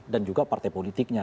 dan juga partai politiknya